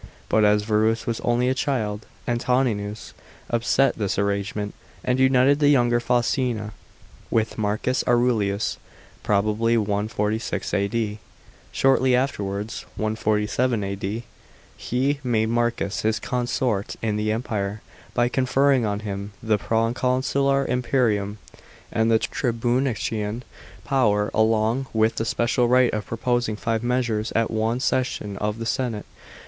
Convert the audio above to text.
But as Verus was only a child, Antoninus upset this arrangement and united the younger Faustina with Marcus Aurelius (probably 146 A.D.). Shortly afterwards (147 A.D.), he made Marcus his consort in the Empire, by conferring on him the proconsular imperium and the tribunician power, along with the special right of proposing five measures at one session of the senate.